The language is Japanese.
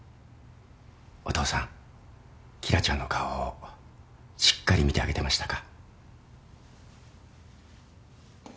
お父さん紀來ちゃんの顔をしっかり見てあげてましたか？